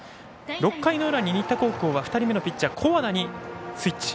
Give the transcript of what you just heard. ６回の裏に新田高校は２人目のピッチャー古和田にスイッチ。